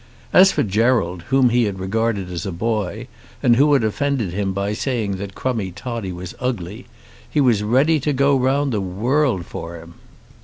As for Gerald, whom he had regarded as a boy, and who had offended him by saying that Crummie Toddie was ugly, he was ready to go round the world for him.